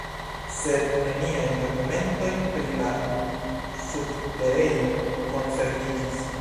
Sed neniaj dokumentoj pri la subterejo konserviĝis.